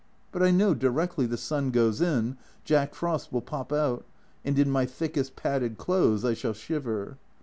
but I know directly the sun goes in, Jack Frost will pop out, and in my thickest padded clothes I shall shiver.